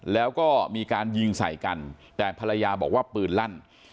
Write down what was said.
แล้วก็มีการยิงใส่กันแต่ภรรยาบอกว่าปืนลั่น